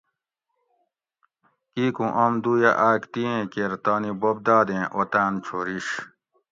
کیکوں اوم دویہ آۤک دی ایں کیر تانی بوب دادیں اوطاۤن چھوریش